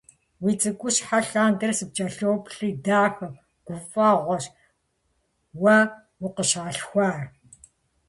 Уи цӀыкӀущхьэ лъандэрэ сыпкӀэлъоплъри, дахэ, гуфӀэгъуэщ уэ укъыщӀалъхуар.